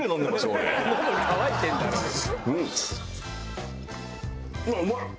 うん！